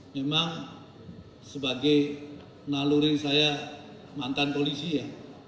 memang sebagai naluri saya mantan polisi ya